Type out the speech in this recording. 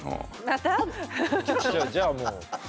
じゃあもう。